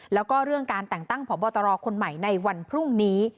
แล้วก็เรื่องการแต่งตั้งพบตรคนใหม่ในวันพรุ่งนี้